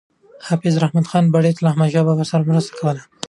حافظ رحمت خان بړیڅ له احمدشاه بابا سره مرسته کوله.